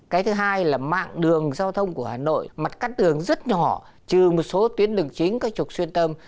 cái thứ hai là mạng đường giao thông của hà nội mặt cắt tường rất nhỏ trừ một số tuyến đường chính các trục xuyên tâm